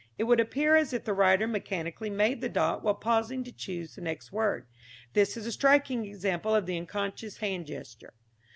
It would appear as if the writer mechanically made the dot while pausing to choose the next word. This is a striking example of the unconscious hand gesture.